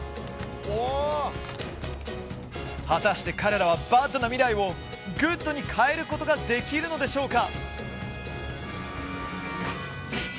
果たして、彼らはＢＡＤな未来をＧＯＯＤな未来に変えることができるのでしょうか。